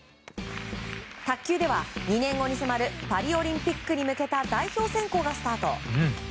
卓球では２年後に迫るパリオリンピックに向けた代表選考がスタート。